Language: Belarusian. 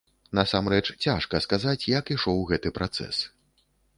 Насамрэч цяжка сказаць, як ішоў гэты працэс.